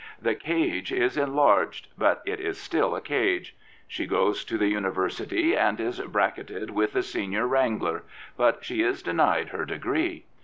The cage is enlarged; but it is still a cage. She goes to the University and is bracketed with the Senior Wrangler; but she is denied her degree.